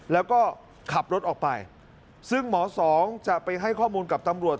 แล้วก็ขับรถออกไปซึ่งหมอสองจะไปให้ข้อมูลกับตำรวจ